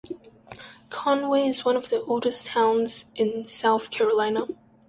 Conway is one of the oldest towns in South Carolina.